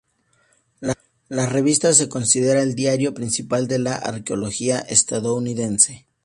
La revista se considera el diario principal de la arqueología estadounidense.